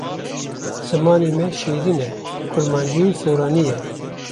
Zimanê me şêrîn e kurmancî û soranî ye.